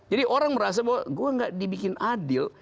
jadi orang merasa bahwa gue nggak dibikin adil